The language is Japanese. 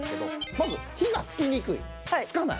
まず火がつきにくいつかない